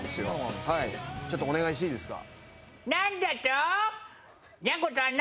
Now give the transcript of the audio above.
ちょっとお願いしていいですか？